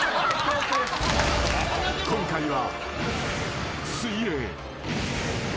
［今回は］